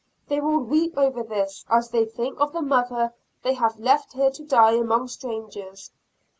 They will weep over this, as they think of the mother they have left here to die among strangers.